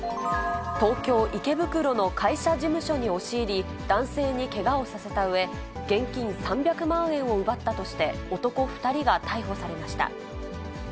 東京・池袋の会社事務所に押し入り、男性にけがをさせたうえ、現金３００万円を奪ったとして、男２人が逮捕されました。